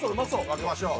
分けましょう。